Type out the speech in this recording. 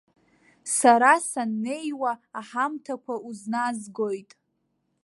Сара саннеиуа аҳамҭақәа узназгоит.